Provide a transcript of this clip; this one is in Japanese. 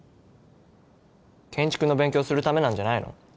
建築の勉強するためなんじゃないの？